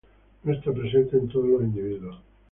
No está presente en todos los individuos.